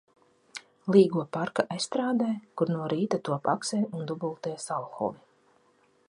Līgo parka estrādē, kur no rīta top akseļi un dubultie salhovi.